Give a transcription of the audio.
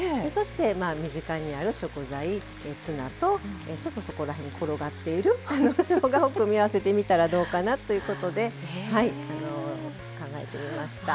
そして、身近にある食材ツナと、そこら辺に転がっているしょうがを組み合わせてみたらどうかなということで考えてみました。